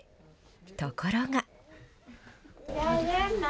ところが。